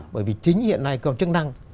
bởi vì chính hiện nay cơ quan chức năng